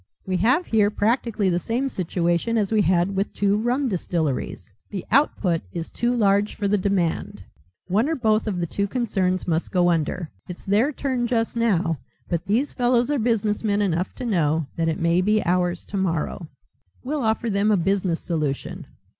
We have here practically the same situation as we had with two rum distilleries the output is too large for the demand. One or both of the two concerns must go under. It's their turn just now, but these fellows are business men enough to know that it may be ours tomorrow. We'll offer them a business solution.